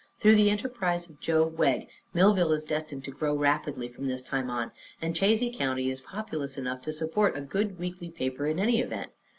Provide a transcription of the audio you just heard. Through the enterprise of Joe Wegg, Millville is destined to grow rapidly from this time on, and Chazy County is populous enough to support a good weekly paper, in any event.